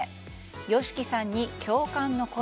ＹＯＳＨＩＫＩさんに共感の声。